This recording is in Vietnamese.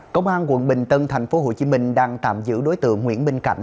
công an quận bình tân tp hcm đang tạm giữ đối tượng nguyễn minh cảnh